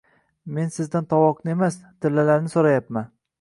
– Men sizdan tovoqni emas, tillalarni so‘rayapman.